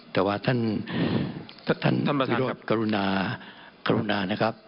แต่ว่าท่านพิธิบาลการุณานะครับ